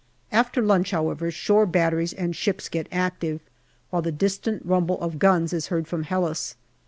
After lunch, however, shore batteries and ships get active, while the distant rumble of guns is heard from Helles.